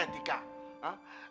lo ini anak perempuan